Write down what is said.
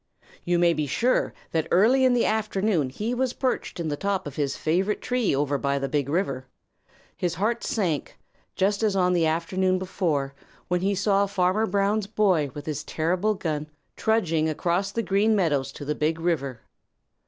You may be sure that early in the afternoon he was perched in the top of his favorite tree over by the Big River. His heart sank, just as on the afternoon before, when he saw Farmer Brown's boy with his terrible gun trudging across the Green Meadows to the Big River.